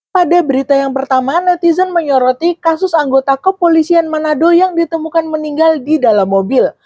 pada berita yang pertama netizen menyoroti kasus anggota kepolisian manado yang ditemukan meninggal di dalam mobil